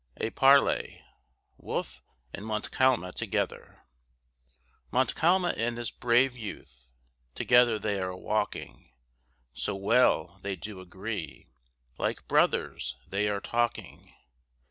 A Parley: WOLFE and MONTCALM together Montcalm and this brave youth, Together they are walking; So well they do agree, Like brothers they are talking.